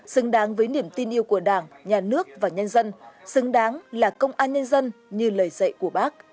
xứng đáng với niềm tin yêu của đảng nhà nước và nhân dân xứng đáng là công an nhân dân như lời dạy của bác